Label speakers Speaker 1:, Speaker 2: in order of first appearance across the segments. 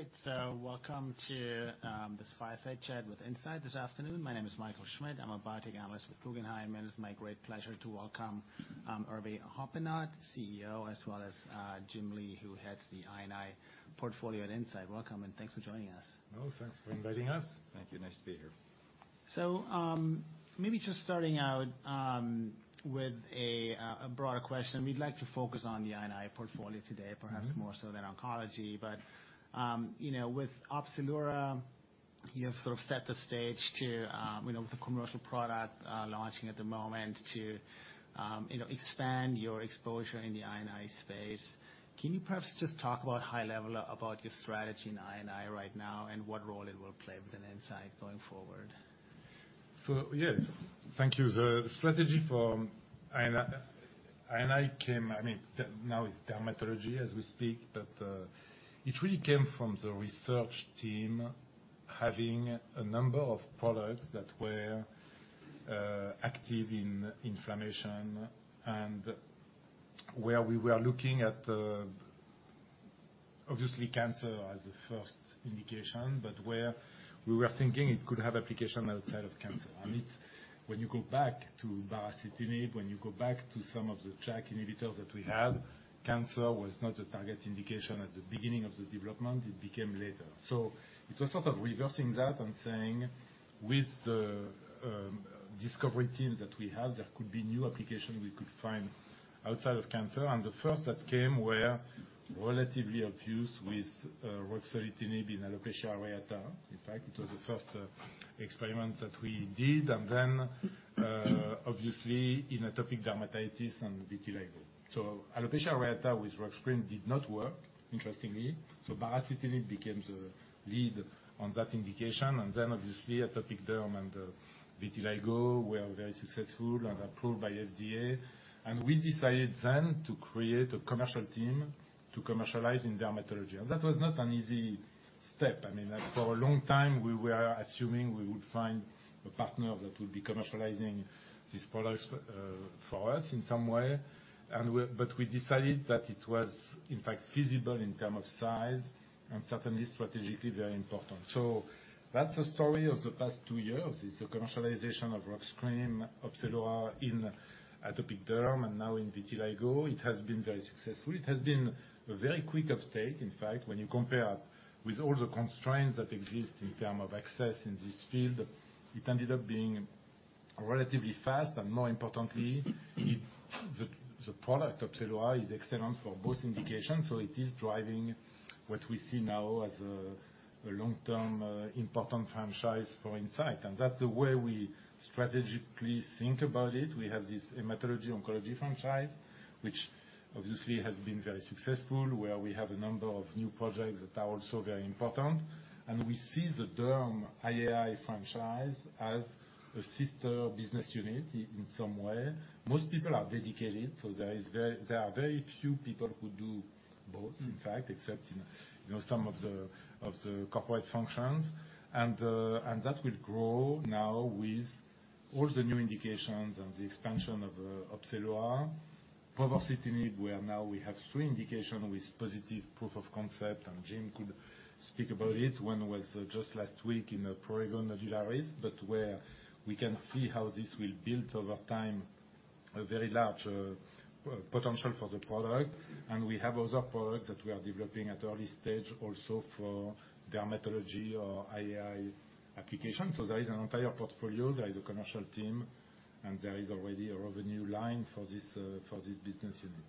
Speaker 1: All right, great! So welcome to this fireside chat with Incyte this afternoon. My name is Michael Schmidt. I'm a biotech analyst with Guggenheim, and it's my great pleasure to welcome Hervé Hoppenot, CEO, as well as Jim Lee, who heads the I&I portfolio at Incyte. Welcome, and thanks for joining us.
Speaker 2: Well, thanks for inviting us.
Speaker 3: Thank you. Nice to be here.
Speaker 1: Maybe just starting out with a broader question. We'd like to focus on the I&I portfolio today.
Speaker 2: Mm-hmm.
Speaker 1: Perhaps more so than oncology, but, you know, with Opzelura, you have sort of set the stage to, you know, with the commercial product, launching at the moment to, you know, expand your exposure in the I&I space. Can you perhaps just talk about high level about your strategy in I&I right now, and what role it will play within Incyte going forward?
Speaker 2: So yes, thank you. The strategy for I&I, I&I came, I mean, now it's dermatology as we speak, but it really came from the research team having a number of products that were active in inflammation. And where we were looking at obviously cancer as a first indication, but where we were thinking it could have application outside of cancer. I mean, when you go back to Baricitinib, when you go back to some of the JAK inhibitors that we had, cancer was not the target indication at the beginning of the development, it became later. So it was sort of reversing that and saying, with the discovery teams that we have, there could be new application we could find outside of cancer, and the first that came were relatively obvious with phase III in alopecia areata. In fact, it was the first experiment that we did, and then obviously in atopic dermatitis and vitiligo. So alopecia areata with RUX cream did not work, interestingly, so Baricitinib became the lead on that indication. And then, obviously, atopic derm and vitiligo were very successful and approved by FDA. And we decided then to create a commercial team to commercialize in dermatology, and that was not an easy step. I mean, as for a long time, we were assuming we would find a partner that would be commercializing these products for us in some way, but we decided that it was, in fact, feasible in terms of size and certainly strategically very important. So that's the story of the past two years, is the commercialization of RUX cream, Opzelura in atopic derm, and now in vitiligo. It has been very successful. It has been a very quick uptake, in fact, when you compare with all the constraints that exist in term of access in this field, it ended up being relatively fast. And more importantly, the product, Opzelura, is excellent for both indications, so it is driving what we see now as a long-term important franchise for Incyte, and that's the way we strategically think about it. We have this hematology-oncology franchise, which obviously has been very successful, where we have a number of new projects that are also very important. And we see the derm IAI franchise as a sister business unit in some way. Most people are dedicated, so there are very few people who do both-
Speaker 1: Mm-hmm.
Speaker 2: -in fact, except in, you know, some of the corporate functions. And, and that will grow now with all the new indications and the expansion of, Opzelura. Tofacitinib, where now we have three indication with positive proof of concept, and Jim could speak about it. One was just last week in Prurigo Nodularis, but where we can see how this will build over time, a very large, potential for the product. And we have other products that we are developing at early stage also for dermatology or IAI application. So there is an entire portfolio, there is a commercial team, and there is already a revenue line for this, for this business unit.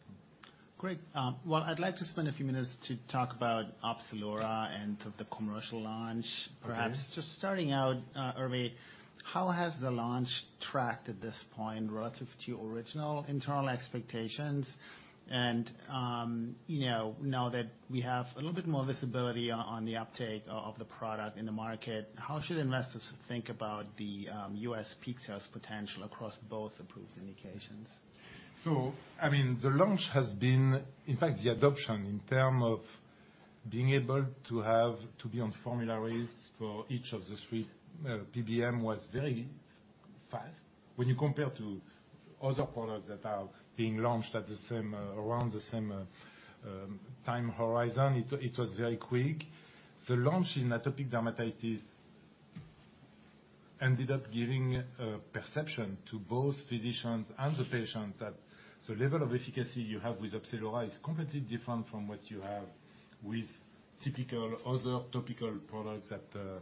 Speaker 1: Great. Well, I'd like to spend a few minutes to talk about Opzelura and of the commercial launch.
Speaker 2: Okay.
Speaker 1: Perhaps just starting out, Hervé, how has the launch tracked at this point relative to your original internal expectations? And, you know, now that we have a little bit more visibility on the uptake of the product in the market, how should investors think about the U.S. peak sales potential across both approved indications?
Speaker 2: So, I mean, the launch has been... In fact, the adoption in terms of being able to have to be on formularies for each of the three PBM was very fast. When you compare to other products that are being launched at the same, around the same, time horizon, it was very quick. The launch in atopic dermatitis ended up giving a perception to both physicians and the patients that the level of efficacy you have with Opzelura is completely different from what you have with typical other topical products that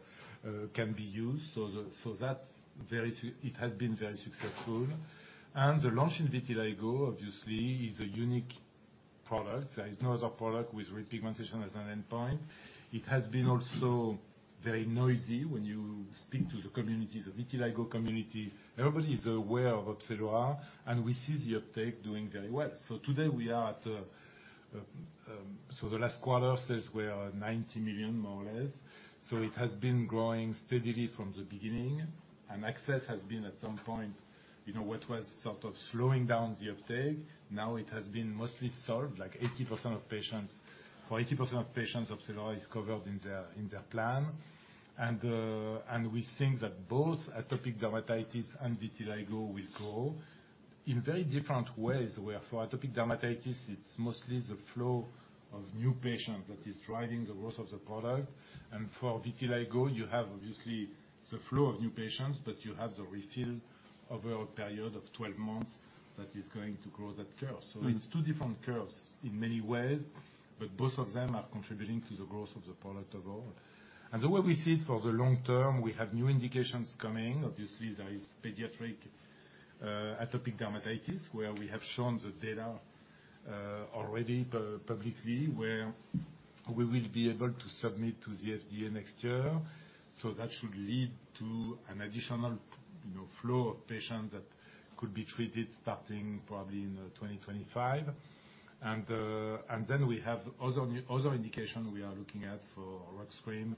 Speaker 2: can be used. So that's very successful. It has been very successful. And the launch in vitiligo, obviously, is a unique product. There is no other product with repigmentation as an endpoint. It has been also very noisy when you speak to the communities, the vitiligo community. Everybody is aware of Opzelura, and we see the uptake doing very well. So today we are at, so the last quarter says we are at $90 million, more or less. So it has been growing steadily from the beginning, and access has been, at some point, you know, what was sort of slowing down the uptake. Now it has been mostly solved. Like, 80% of patients, for 80% of patients, Opzelura is covered in their, in their plan. And, and we think that both atopic dermatitis and vitiligo will grow in very different ways, where for atopic dermatitis, it's mostly the flow of new patients that is driving the growth of the product. And for vitiligo, you have, obviously, the flow of new patients, but you have the refill over a period of 12 months that is going to grow that curve. So it's two different curves in many ways, but both of them are contributing to the growth of the product overall. And the way we see it for the long term, we have new indications coming. Obviously, there is pediatric atopic dermatitis, where we have shown the data already publicly, where we will be able to submit to the FDA next year. So that should lead to an additional, you know, flow of patients that could be treated, starting probably in 2025. And then we have other indication we are looking at for RUX cream,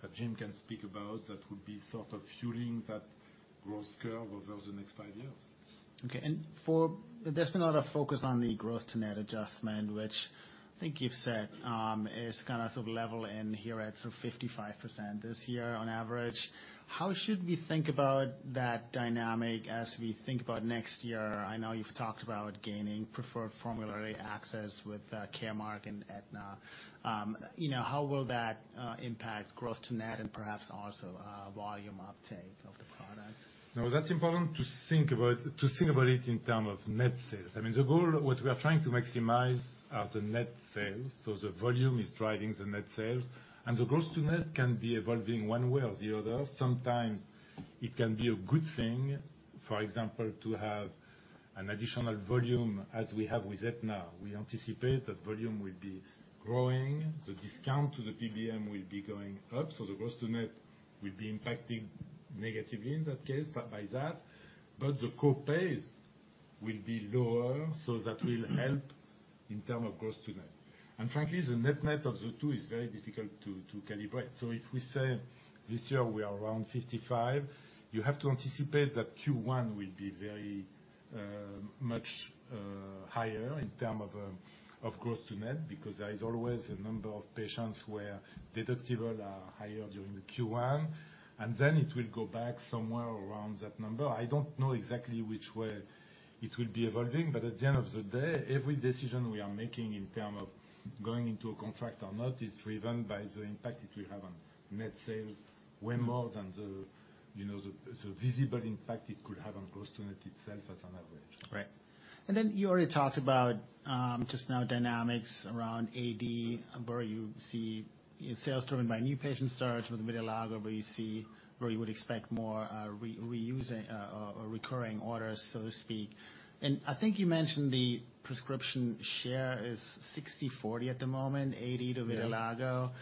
Speaker 2: that Jim can speak about, that would be sort of fueling that growth curve over the next five years.
Speaker 1: Okay, and there's been a lot of focus on the gross-to-net adjustment, which I think you've said, is kind of sort of level in here at sort of 55% this year on average. How should we think about that dynamic as we think about next year? I know you've talked about gaining preferred formulary access with, Caremark and Aetna. You know, how will that, impact gross-to-net and perhaps also, volume uptake of the product?
Speaker 2: No, that's important to think about, to think about it in terms of net sales. I mean, the goal, what we are trying to maximize are the net sales, so the volume is driving the net sales. And the gross-to-net can be evolving one way or the other. Sometimes it can be a good thing, for example, to have an additional volume as we have with Aetna. We anticipate that volume will be growing, the discount to the PBM will be going up, so the gross-to-net will be impacting negatively in that case, but by that. But the co-pays will be lower, so that will help in terms of gross-to-net. And frankly, the net-net of the two is very difficult to, to calibrate. So if we say this year we are around 55, you have to anticipate that Q1 will be very much higher in terms of gross-to-net, because there is always a number of patients where deductibles are higher during the Q1, and then it will go back somewhere around that number. I don't know exactly which way it will be evolving, but at the end of the day, every decision we are making in terms of going into a contract or not is driven by the impact it will have on net sales, way more than the you know the visible impact it could have on gross-to-net itself as an average.
Speaker 1: Right. And then you already talked about, just now, dynamics around AD, where you see sales driven by new patient starts with vitiligo, where you would expect more, reusing, or recurring orders, so to speak. And I think you mentioned the prescription share is 60/40 at the moment, AD to vitiligo.
Speaker 2: Yes.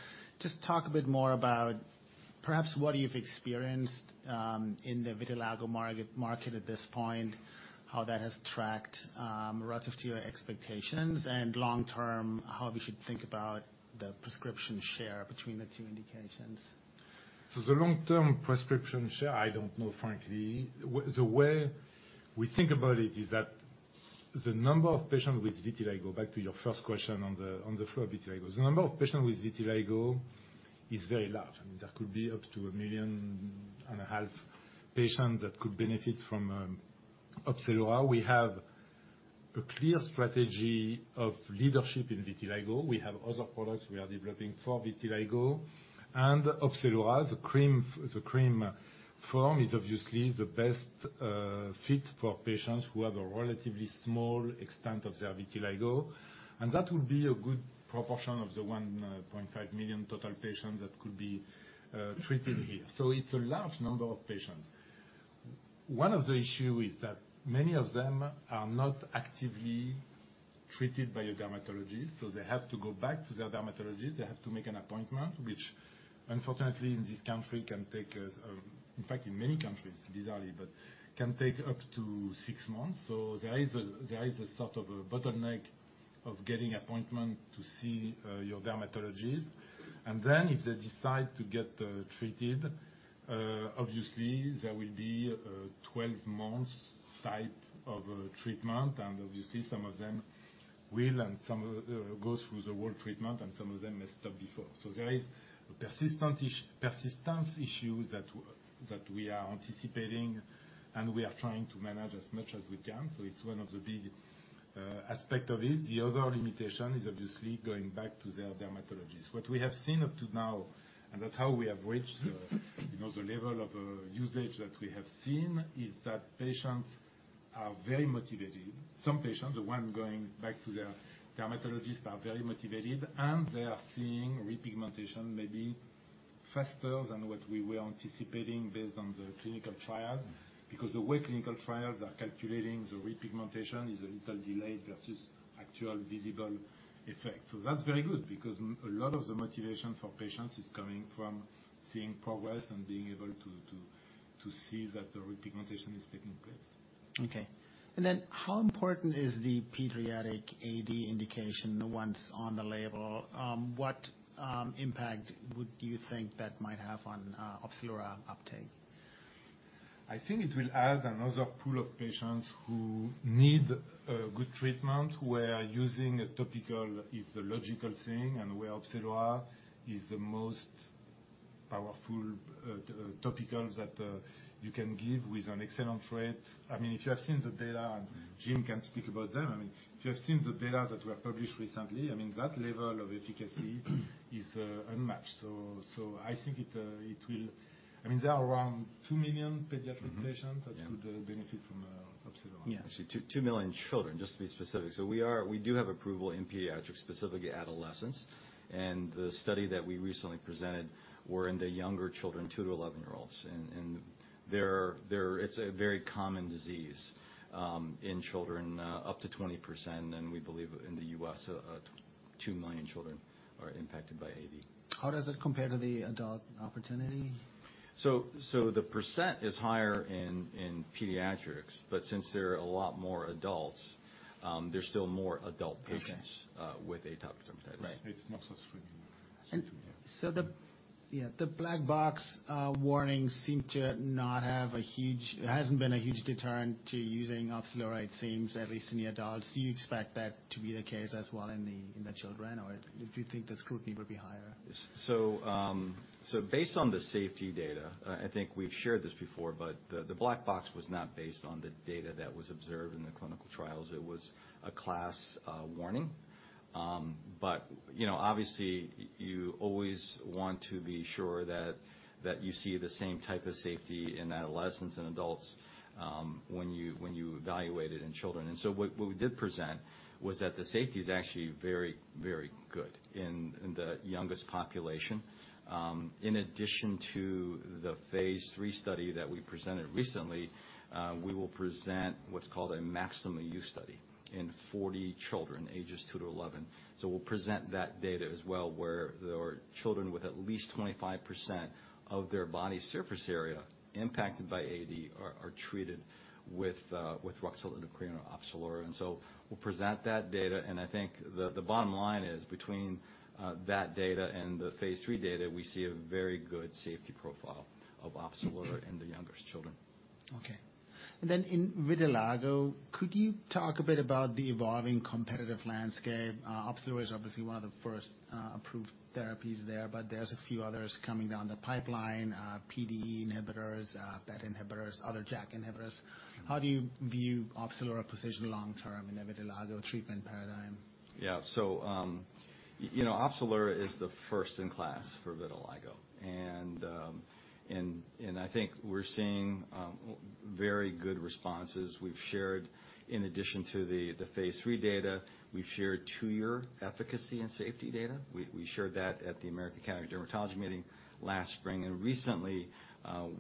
Speaker 1: Just talk a bit more about perhaps what you've experienced in the vitiligo market at this point, how that has tracked relative to your expectations, and long term, how we should think about the prescription share between the two indications.
Speaker 2: So the long-term prescription share, I don't know, frankly. The way we think about it is that the number of patients with vitiligo, back to your first question on the, on the flow of vitiligo. The number of patients with vitiligo is very large, and there could be up to 1.5 million patients that could benefit from Opzelura. We have a clear strategy of leadership in vitiligo. We have other products we are developing for vitiligo. And Opzelura, the cream, the cream form, is obviously the best fit for patients who have a relatively small extent of their vitiligo, and that would be a good proportion of the 1.5 million total patients that could be treated here. So it's a large number of patients. One of the issue is that many of them are not actively treated by a dermatologist, so they have to go back to their dermatologist. They have to make an appointment, which unfortunately, in this country, can take... In fact, in many countries, bizarrely, but can take up to six months. So there is a sort of a bottleneck of getting appointment to see your dermatologist. And then if they decide to get treated, obviously, there will be a 12-month type of treatment, and obviously, some of them will and some of them go through the whole treatment, and some of them may stop before. So there is a persistence issue that we are anticipating, and we are trying to manage as much as we can, so it's one of the big aspect of it. The other limitation is obviously going back to their dermatologist. What we have seen up to now, and that's how we have reached the, you know, the level of usage that we have seen, is that patients are very motivated. Some patients, the one going back to their dermatologist, are very motivated, and they are seeing repigmentation maybe faster than what we were anticipating based on the clinical trials. Because the way clinical trials are calculating the repigmentation is a little delayed versus actual visible effect. So that's very good, because a lot of the motivation for patients is coming from seeing progress and being able to see that the repigmentation is taking place.
Speaker 1: Okay. And then how important is the pediatric AD indication, the ones on the label? What impact would you think that might have on Opzelura uptake?
Speaker 2: I think it will add another pool of patients who need a good treatment, where using a topical is a logical thing, and where Opzelura is the most powerful topicals that you can give with an excellent rate. I mean, if you have seen the data, and Jim can speak about them, I mean, if you have seen the data that were published recently, I mean, that level of efficacy is unmatched. So I think it will. I mean, there are around 2 million pediatric patients-
Speaker 3: Mm-hmm. Yeah.
Speaker 2: -that could benefit from Opzelura.
Speaker 3: Yeah, so 2 million children, just to be specific. So we do have approval in pediatrics, specifically adolescents, and the study that we recently presented were in the younger children, two to 11-year-olds. And they're, It's a very common disease in children up to 20%, and we believe in the U.S., 2 million children are impacted by AD.
Speaker 1: How does it compare to the adult opportunity?
Speaker 3: So the percent is higher in pediatrics, but since there are a lot more adults, there's still more adult patients-
Speaker 1: Okay.
Speaker 3: with Atopic dermatitis.
Speaker 1: Right.
Speaker 2: It's not so sweet, sweet, yeah.
Speaker 1: So yeah, the black box warnings seem to not have a huge—hasn't been a huge deterrent to using Opzelura, it seems, at least in the adults. Do you expect that to be the case as well in the children, or do you think the scrutiny will be higher?
Speaker 3: So based on the safety data, I think we've shared this before, but the black box was not based on the data that was observed in the clinical trials. It was a class warning. But you know, obviously, you always want to be sure that you see the same type of safety in adolescents and adults when you evaluate it in children. So what we did present was that the safety is actually very, very good in the youngest population. In addition to the phase III study that we presented recently, we will present what's called a maximum use study in 40 children, ages two to 11. So we'll present that data as well, where there are children with at least 25% of their body surface area impacted by AD are treated with Ruxolitinib cream or Opzelura. And so we'll present that data, and I think the bottom line is, between that data and the phase III data, we see a very good safety profile of Opzelura in the youngest children.
Speaker 1: Okay. In Vitiligo, could you talk a bit about the evolving competitive landscape? Opzelura is obviously one of the first approved therapies there, but there's a few others coming down the pipeline, PDE inhibitors, BET inhibitors, other JAK inhibitors. How do you view Opzelura's position long term in the Vitiligo treatment paradigm?
Speaker 3: Yeah. So, you know, Opzelura is the first in class for vitiligo, and I think we're seeing very good responses. We've shared, in addition to the phase III data, we've shared two-year efficacy and safety data. We shared that at the American Academy of Dermatology meeting last spring, and recently,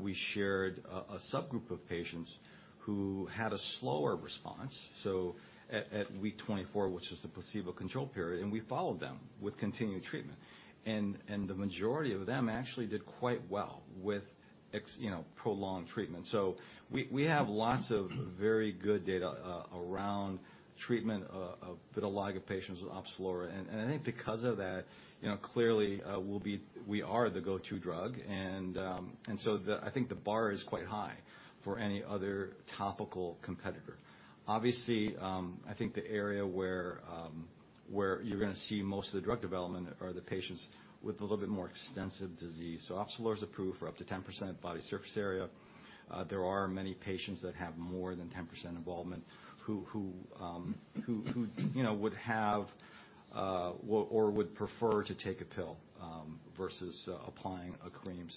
Speaker 3: we shared a subgroup of patients who had a slower response, so at week 24, which is the placebo control period, and we followed them with continued treatment. And the majority of them actually did quite well with you know, prolonged treatment. So we have lots of very good data around treatment of vitiligo patients with Opzelura. And I think because of that, you know, clearly, we are the go-to drug, and so the... I think the bar is quite high for any other topical competitor. Obviously, I think the area where you're gonna see most of the drug development are the patients with a little bit more extensive disease. So Opzelura is approved for up to 10% body surface area. There are many patients that have more than 10% involvement who you know would have or would prefer to take a pill versus applying a cream.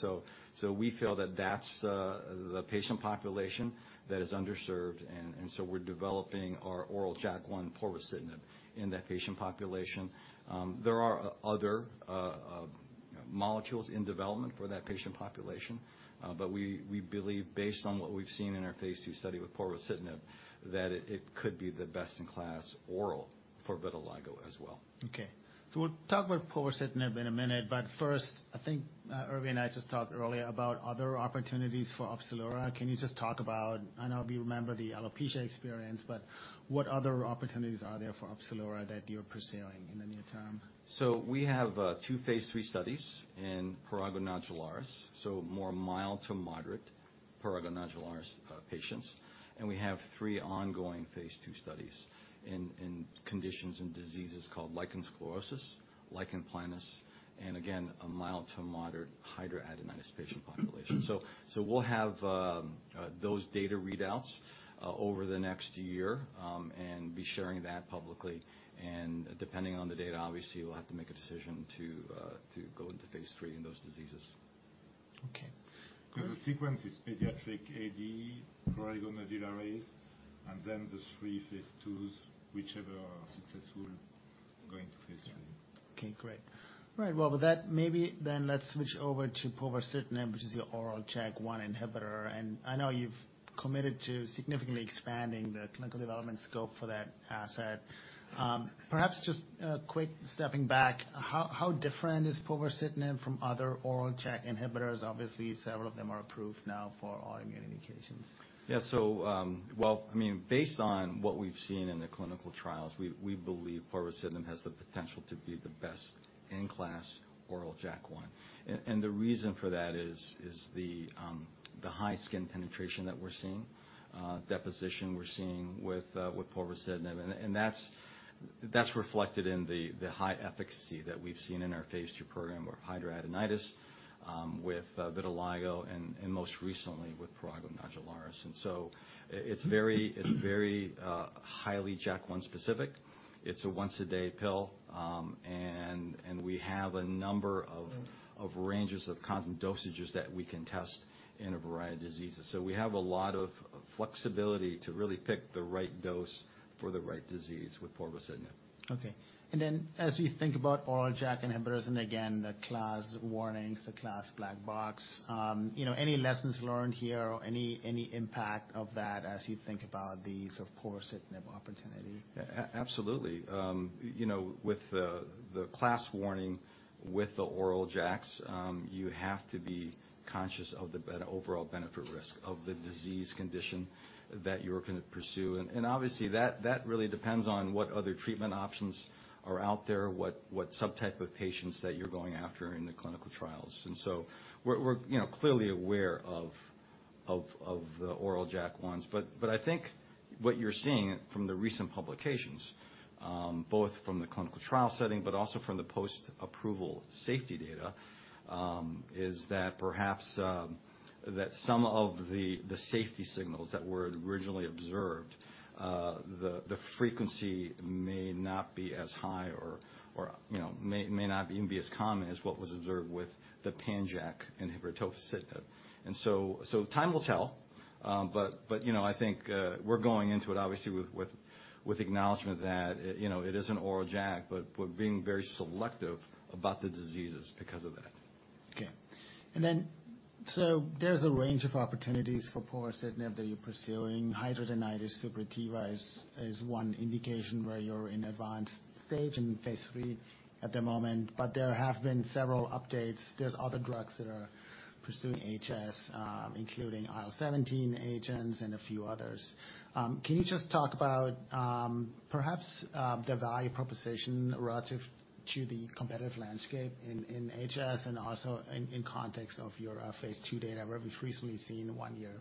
Speaker 3: So we feel that that's the patient population that is underserved, and so we're developing our oral JAK1 Povorcitinib in that patient population. There are other molecules in development for that patient population, but we believe, based on what we've seen in our phase II study with Povorcitinib, that it could be the best in class oral for vitiligo as well.
Speaker 1: Okay. So we'll talk about Povorcitinib in a minute, but first, I think, Herve and I just talked earlier about other opportunities for Opzelura. Can you just talk about, I know we remember the alopecia experience, but what other opportunities are there for Opzelura that you're pursuing in the near term?
Speaker 3: So we have 2 phase III studies in Prurigo Nodularis, so more mild to moderate Prurigo Nodularis patients. And we have 3 ongoing phase II studies in conditions and diseases called lichen sclerosus, lichen planus, and again, a mild to moderate hidradenitis patient population. So we'll have those data readouts over the next year, and be sharing that publicly. And depending on the data, obviously, we'll have to make a decision to go into phase III in those diseases.
Speaker 1: Okay.
Speaker 2: 'Cause the sequence is pediatric AD, Prurigo Nodularis, and then the three phase IIs, whichever are successful, going to phase III.
Speaker 1: Okay, great. All right, well, with that, maybe then let's switch over to Povorcitinib, which is your oral JAK1 inhibitor, and I know you've committed to significantly expanding the clinical development scope for that asset. Perhaps just a quick stepping back, how different is Povorcitinib from other oral JAK inhibitors? Obviously, several of them are approved now for autoimmune indications.
Speaker 3: Yeah, so, well, I mean, based on what we've seen in the clinical trials, we believe Povorcitinib has the potential to be the best in class oral JAK1. And the reason for that is the high skin penetration that we're seeing, deposition we're seeing with Povorcitinib. And that's reflected in the high efficacy that we've seen in our phase II program with Hidradenitis, with Vitiligo, and most recently, with Prurigo Nodularis. And so it's very, it's very highly JAK1 specific. It's a once a day pill, and we have a number of ranges of constant dosages that we can test in a variety of diseases. So we have a lot of flexibility to really pick the right dose for the right disease with Povorcitinib.
Speaker 1: Okay. And then, as you think about oral JAK inhibitors, and again, the class warnings, the class black box, you know, any lessons learned here or any, any impact of that as you think about the use of Povorcitinib opportunity?
Speaker 3: Absolutely. You know, with the class warning with the oral JAKs, you have to be conscious of the overall benefit risk of the disease condition that you're gonna pursue. And obviously, that really depends on what other treatment options are out there, what subtype of patients that you're going after in the clinical trials. And so we're, you know, clearly aware of the oral JAK1s. But I think what you're seeing from the recent publications, both from the clinical trial setting, but also from the post-approval safety data, is that perhaps that some of the safety signals that were originally observed, the frequency may not be as high or, you know, may not even be as common as what was observed with the pan-JAK inhibitor, tofacitinib. So time will tell, but you know, I think we're going into it obviously with the acknowledgement that, you know, it is an oral JAK, but we're being very selective about the diseases because of that.
Speaker 1: Okay. So there's a range of opportunities for Povorcitinib that you're pursuing. Hidradenitis suppurativa is one indication where you're in advanced stage in phase III at the moment, but there have been several updates. There are other drugs that are pursuing HS, including IL-17 agents and a few others. Can you just talk about perhaps the value proposition relative to the competitive landscape in HS and also in context of your phase II data, where we've recently seen 1-year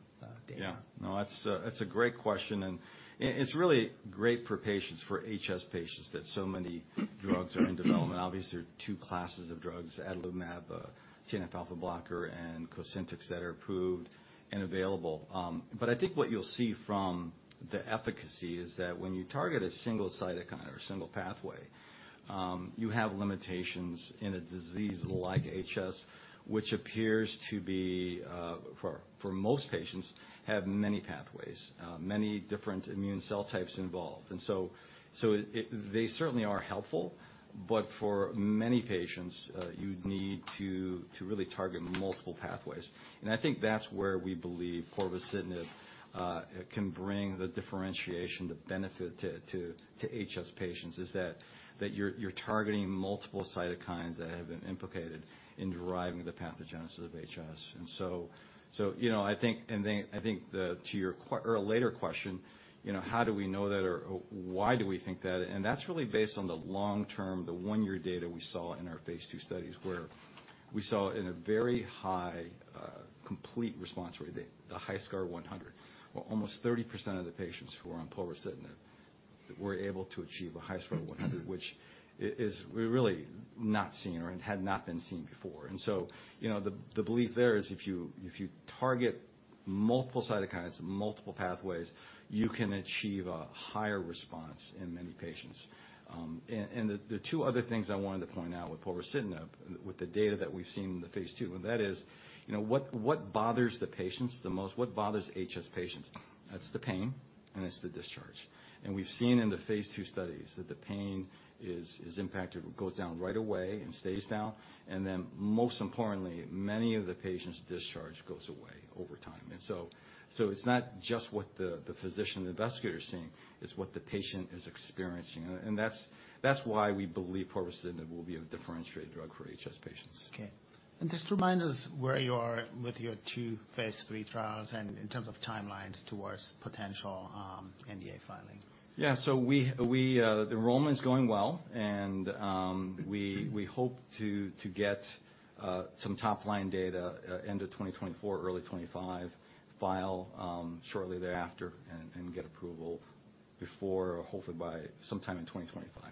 Speaker 1: data?
Speaker 3: Yeah. No, that's a great question, and it's really great for patients, for HS patients, that so many drugs are in development. Obviously, there are two classes of drugs, adalimumab, a TNF-alpha blocker, and Cosentyx that are approved and available. But I think what you'll see from the efficacy is that when you target a single cytokine or a single pathway, you have limitations in a disease like HS, which appears to be, for most patients, have many pathways, many different immune cell types involved. And so they certainly are helpful, but for many patients, you'd need to really target multiple pathways. I think that's where we believe Povorcitinib can bring the differentiation, the benefit to HS patients, is that you're targeting multiple cytokines that have been implicated in driving the pathogenesis of HS. So you know, I think, and then I think to your question or a later question, you know, how do we know that, or why do we think that? And that's really based on the long-term, the one-year data we saw in our phase II studies, where we saw a very high complete response rate, the HiSCR 100. Where almost 30% of the patients who were on Povorcitinib were able to achieve a HiSCR of 100, which is we're really not seeing or had not been seen before. And so, you know, the belief there is if you target multiple cytokines, multiple pathways, you can achieve a higher response in many patients. And the two other things I wanted to point out with Povorcitinib, with the data that we've seen in the phase II, and that is, you know, what bothers the patients the most? What bothers HS patients? That's the pain, and it's the discharge. And we've seen in the phase II studies that the pain is impacted, it goes down right away and stays down. And then, most importantly, many of the patients' discharge goes away over time. And so, it's not just what the physician, the investigator is seeing, it's what the patient is experiencing. And that's why we believe Povorcitinib will be a differentiated drug for HS patients.
Speaker 1: Okay. Just remind us where you are with your two phase III trials and in terms of timelines towards potential NDA filing?
Speaker 3: Yeah. So the enrollment is going well, and we hope to get some top-line data end of 2024, early 2025, file shortly thereafter, and get approval before, hopefully by sometime in 2025.
Speaker 1: Yeah.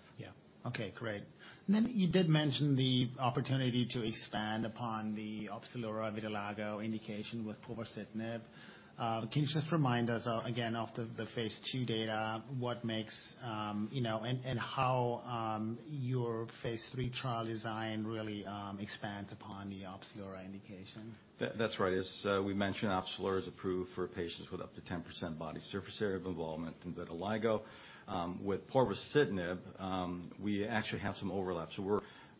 Speaker 1: Okay, great. And then you did mention the opportunity to expand upon the Opzelura vitiligo indication with Povorcitinib. Can you just remind us again, of the, the phase II data, what makes, you know, and, and how, your phase III trial design really, expands upon the Opzelura indication?
Speaker 3: That's right. As we mentioned, Opzelura is approved for patients with up to 10% body surface area of involvement in vitiligo. With Povorcitinib, we actually have some overlap.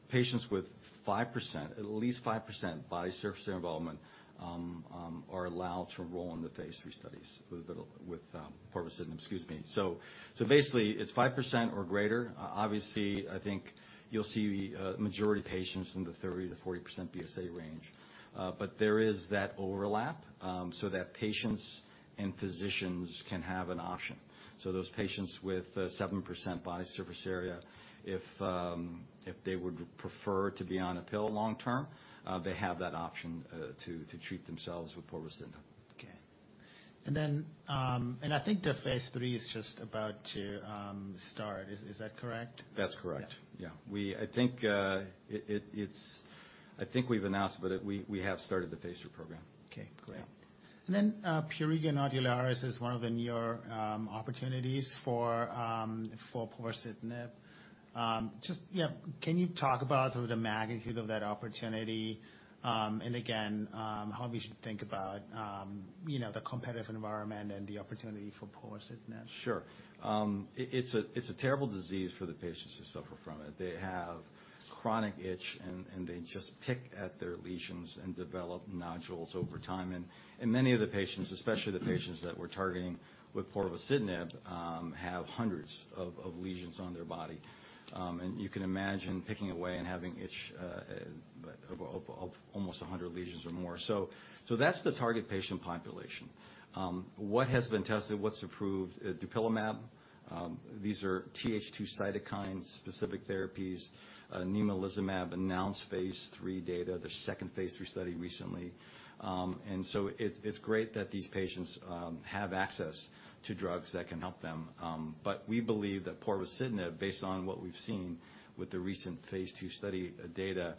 Speaker 3: Patients with 5%, at least 5% body surface involvement, are allowed to enroll in the phase III studies with Povorcitinib, excuse me. So basically, it's 5% or greater. Obviously, I think you'll see the majority of patients in the 30%-40% BSA range. But there is that overlap, so that patients and physicians can have an option. So those patients with 7% body surface area, if they would prefer to be on a pill long term, they have that option to treat themselves with Povorcitinib....
Speaker 1: And then I think the phase III is just about to start. Is that correct?
Speaker 3: That's correct.
Speaker 1: Yeah.
Speaker 3: Yeah. I think it's, I think we've announced, but it, we have started the phase III program.
Speaker 1: Okay, great.
Speaker 3: Yeah.
Speaker 1: And then, Prurigo nodularis is one of the newer opportunities for Povorcitinib. Just, yeah, can you talk about the magnitude of that opportunity? And again, how we should think about, you know, the competitive environment and the opportunity for Povorcitinib?
Speaker 3: Sure. It's a terrible disease for the patients who suffer from it. They have chronic itch, and they just pick at their lesions and develop nodules over time. And many of the patients, especially the patients that we're targeting with Povorcitinib, have hundreds of lesions on their body. And you can imagine picking away and having itch of almost 100 lesions or more. So that's the target patient population. What has been tested, what's approved? Dupilumab, these are TH2 cytokine-specific therapies. Nemolizumab announced phase III data, their second phase III study recently. And so it's great that these patients have access to drugs that can help them. But we believe that Povorcitinib, based on what we've seen with the recent phase two study data,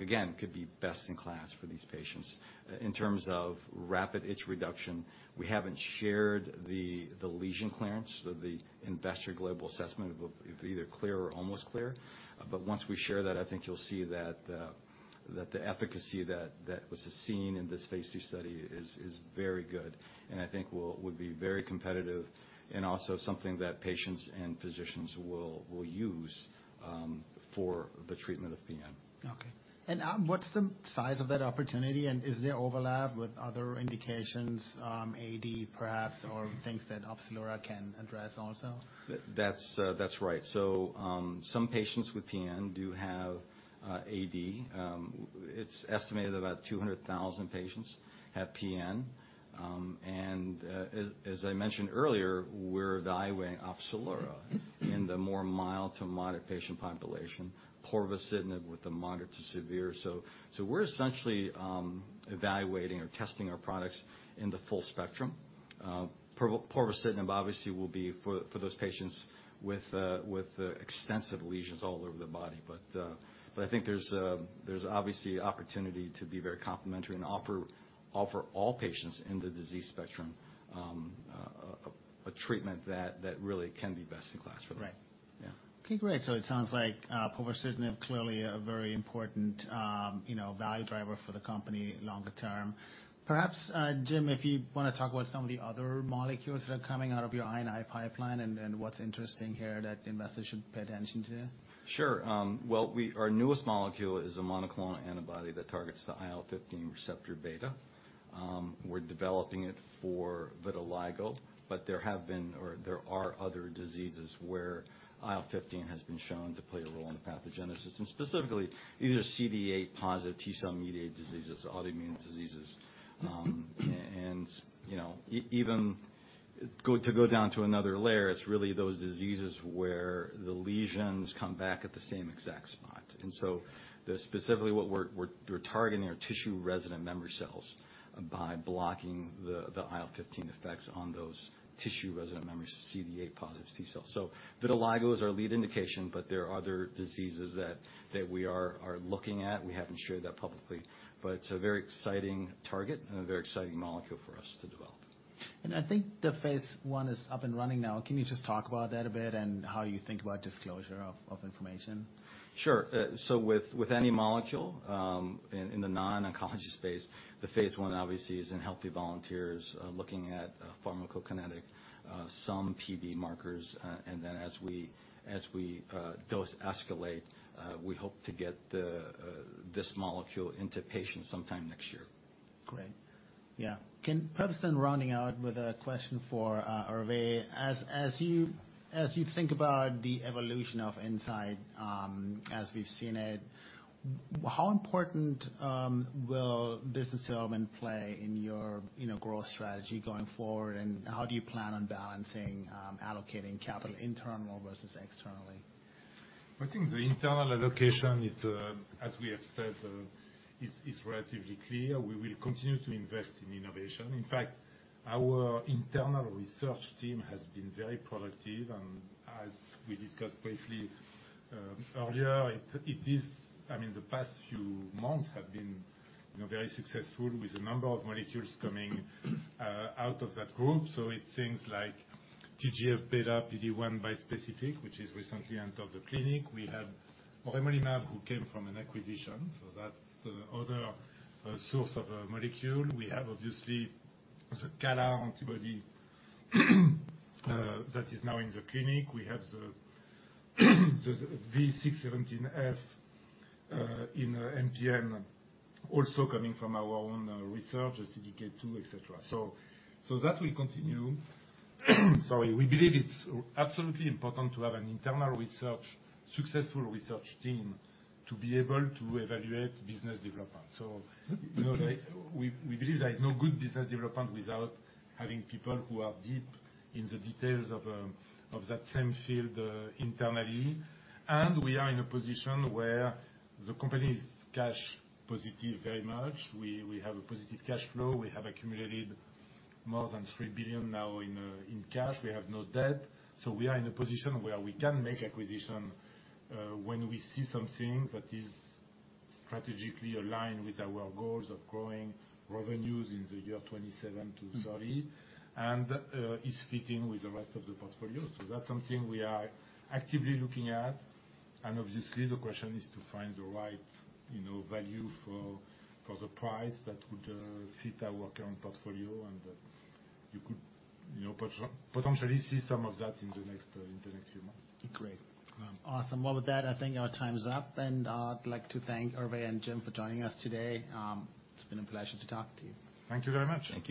Speaker 3: again, could be best in class for these patients. In terms of rapid itch reduction, we haven't shared the lesion clearance, the Investigator's Global Assessment of either clear or almost clear. But once we share that, I think you'll see that the efficacy that was seen in this phase II study is very good, and I think would be very competitive and also something that patients and physicians will use for the treatment of PN.
Speaker 1: Okay. And what's the size of that opportunity, and is there overlap with other indications, AD perhaps, or things that Opzelura can address also?
Speaker 3: That's right. So, some patients with PN do have AD. It's estimated about 200,000 patients have PN. And, as I mentioned earlier, we're evaluating Opzelura in the more mild to moderate patient population, Povorcitinib with the moderate to severe. So, we're essentially evaluating or testing our products in the full spectrum. Povorcitinib, obviously, will be for those patients with extensive lesions all over the body. But, I think there's obviously opportunity to be very complementary and offer all patients in the disease spectrum, a treatment that really can be best in class for them.
Speaker 1: Right.
Speaker 3: Yeah.
Speaker 1: Okay, great. So it sounds like Povorcitinib, clearly a very important, you know, value driver for the company longer term. Perhaps, Jim, if you wanna talk about some of the other molecules that are coming out of your I&I pipeline, and what's interesting here that investors should pay attention to.
Speaker 3: Sure. Well, our newest molecule is a monoclonal antibody that targets the IL-15 receptor beta. We're developing it for vitiligo, but there have been, or there are other diseases where IL-15 has been shown to play a role in the pathogenesis, and specifically, these are CD8 positive T cell-mediated diseases, autoimmune diseases. And, you know, even to go down to another layer, it's really those diseases where the lesions come back at the same exact spot. And so specifically what we're targeting are tissue-resident memory cells by blocking the IL-15 effects on those tissue-resident memory CD8 positive T cells. So vitiligo is our lead indication, but there are other diseases that we are looking at. We haven't shared that publicly, but it's a very exciting target and a very exciting molecule for us to develop.
Speaker 1: I think the phase I is up and running now. Can you just talk about that a bit and how you think about disclosure of, of information?
Speaker 3: Sure. So with any molecule in the non-oncology space, the phase I obviously is in healthy volunteers, looking at pharmacokinetic some PD markers. And then as we dose escalate, we hope to get this molecule into patients sometime next year.
Speaker 1: Great. Yeah. Can perhaps then rounding out with a question for Hervé. As you think about the evolution of Incyte, as we've seen it, how important will business development play in your, you know, growth strategy going forward? And how do you plan on balancing allocating capital internal versus externally?
Speaker 2: I think the internal allocation is, as we have said, relatively clear. We will continue to invest in innovation. In fact, our internal research team has been very productive, and as we discussed briefly, earlier, it is, I mean, the past few months have been, you know, very successful with the number of molecules coming out of that group. So it's things like TGF-beta, PD-1 bispecific, which recently entered the clinic. We have moremolimab, who came from an acquisition, so that's the other source of a molecule. We have, obviously, the CALA antibody that is now in the clinic. We have the V617F in NPN, also coming from our own research, the CDK2, et cetera. So that will continue. Sorry. We believe it's absolutely important to have an internal research, successful research team to be able to evaluate business development. So, you know, we believe there is no good business development without having people who are deep in the details of of that same field internally. And we are in a position where the company is cash positive very much. We have a positive cash flow. We have accumulated more than $3 billion now in cash. We have no debt. So we are in a position where we can make acquisition when we see something that is strategically aligned with our goals of growing revenues in the year 2027-2030, and is fitting with the rest of the portfolio. So that's something we are actively looking at. Obviously, the question is to find the right, you know, value for the price that would fit our current portfolio, and you could, you know, potentially see some of that in the next few months.
Speaker 1: Great. Awesome. Well, with that, I think our time is up, and I'd like to thank Hervé and Jim for joining us today. It's been a pleasure to talk to you.
Speaker 2: Thank you very much.
Speaker 3: Thank you.